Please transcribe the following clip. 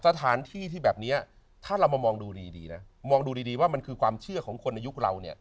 สถานที่ที่แบบนี้ถ้าเรามามองดูดีดีนะมองดูดีว่ามันคือความเชื่อของคนในยุคเราเนี่ย